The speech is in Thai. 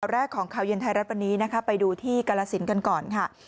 อันดับแรกของข่าวเย็นไทยรัฐวันนี้ไปดูที่กรรศิลป์กันก่อนค่ะ